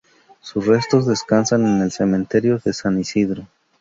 Sus restos descansan en el Cementerio de San Isidro.